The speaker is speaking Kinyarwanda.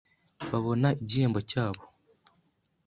babona igihembo cyabo